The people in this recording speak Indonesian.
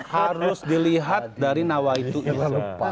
harus dilihat dari nawaitu ini